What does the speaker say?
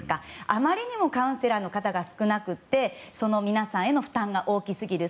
あまりにもカウンセラーの方が少なくて皆さんへの負担が大きすぎる。